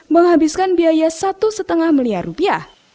menghabiskan biaya satu lima miliar rupiah